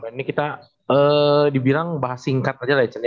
ini kita dibilang bahas singkat aja lah ya cet